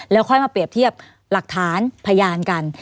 แล้วค่อยมาเปรียบเทียบหลักฐานพยานกัน